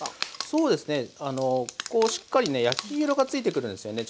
そうですねあのこうしっかりね焼き色がついてくるんですよね